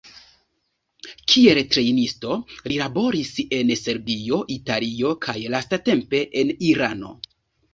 Kiel trejnisto li laboris en Serbio, Italio kaj lastatempe en Irano.